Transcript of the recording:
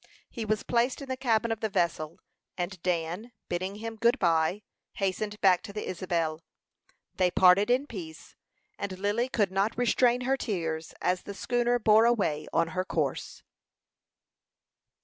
He was placed in the cabin of the vessel, and Dan, bidding him good by, hastened back to the Isabel. They parted in peace, and Lily could not restrain her tears as the schooner bore away on her course.